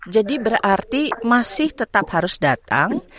jadi berarti masih tetap harus datang